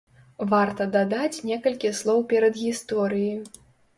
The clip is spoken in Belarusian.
Варта дадаць некалькі слоў перадгісторыі.